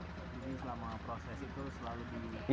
jadi selama proses itu selalu di